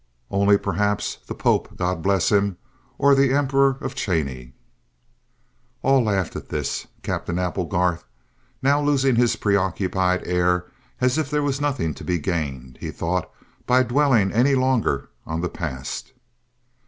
"Only, perhaps, the Pope, God bless him, or the Imporor of Chainy!" All laughed at this, Captain Applegarth now losing his preoccupied air as if there were nothing to be gained, he thought, by dwelling any longer on the past.